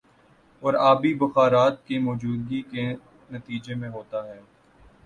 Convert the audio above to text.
اور آبی بخارات کی موجودگی کے نتیجے میں ہوتا ہے